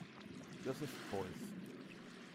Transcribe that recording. Josef Beuys